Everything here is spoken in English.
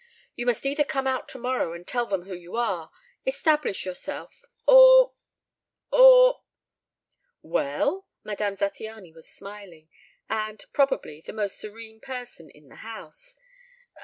You must either come out tomorrow and tell them who you are, establish yourself ... or ... or " "Well?" Madame Zattiany was smiling, and, probably, the most serene person in the house.